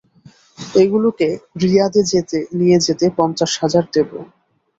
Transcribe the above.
এগুলোকে রিয়াদে নিয়ে যেতে পঞ্চাশ হাজার দেবো।